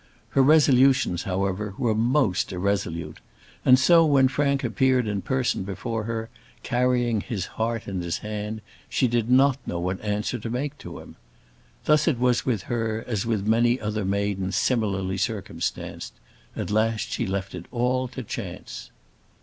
Her resolutions, however, were most irresolute; and so, when Frank appeared in person before her, carrying his heart in his hand, she did not know what answer to make to him. Thus it was with her as with so many other maidens similarly circumstanced; at last she left it all to chance.